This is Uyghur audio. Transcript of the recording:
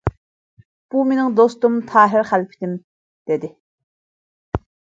— بۇ مېنىڭ دوستۇم تاھىر خەلپىتىم، — دېدى.